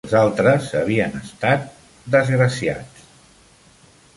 Els altres havien estat... desgraciats.